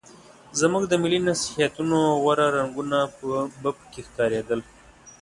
زموږ د ملي نصیحتونو غوره رنګونه به پکې ښکارېدل.